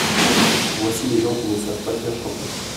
Voici les gens qui ne savent pas bien chanter.